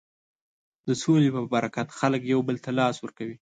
د سولې په برکت خلک یو بل ته لاس ورکوي.